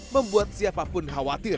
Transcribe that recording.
membuat siapapun khawatir